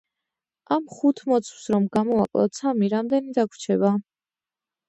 ამ ხუთ მოცვს, რომ გამოვაკლოთ სამი, რამდენი დაგვრჩება?